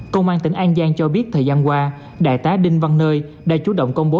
công an tỉnh an giang cho biết thời gian qua đại tá đinh văn nơi đã chú động công bố